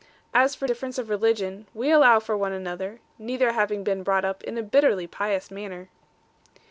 As for difference of religion, we allow for one another, neither having been brought up in a bitterly pious manner.'